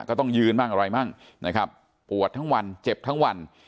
ก็ต้องยืนบ้างอะไรมั่งนะครับปวดทั้งวันเจ็บทั้งวัน